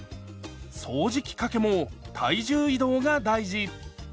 掃除機かけも体重移動が大事！